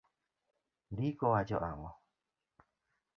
Ndiko wacho nang'o?